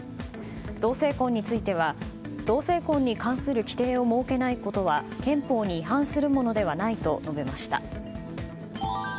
同性婚については同性婚に関する規定を設けないことは憲法に違反するものではないと述べました。